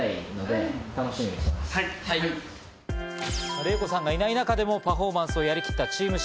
レイコさんがいない中でもパフォーマンスをやりきったチームＣ。